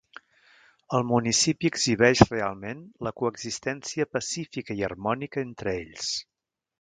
El municipi exhibeix realment la coexistència pacífica i harmònica entre ells.